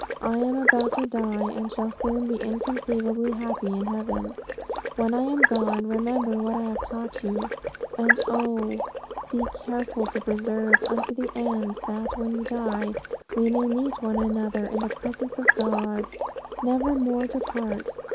I am about to die, and shall soon be inconceivably happy in heaven. When I am gone, remember what I have taught you; and O, be careful to persevere unto the end, that when you die, we may meet one another in the presence of God, never more to part.